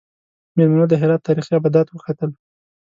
میلمنو د هرات تاریخي ابدات وکتل.